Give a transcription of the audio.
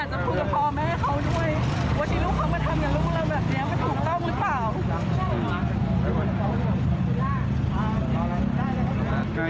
แต่ไม่คิดว่าจะต้องมาเจอเรื่องแบบนี้เหมือนกัน